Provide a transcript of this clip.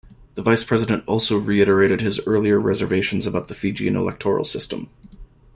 The Vice-President also reiterated his earlier reservations about the Fijian electoral system.